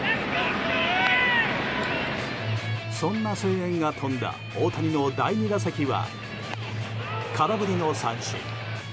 そんな声援が飛んだ大谷の第２打席は空振りの三振。